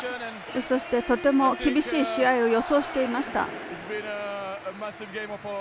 そしてとても厳しい試合を予想していました。